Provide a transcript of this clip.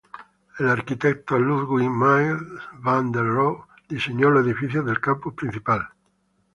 El arquitecto Ludwig Mies van der Rohe diseñó los edificios del campus principal.